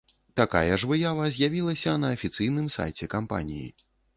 Такая ж выява з'явілася на афіцыйным сайце кампаніі.